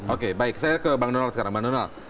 oke baik saya ke bang donal sekarang